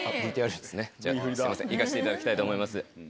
ＶＴＲですねじゃあすいません行かせていただきたいと思います。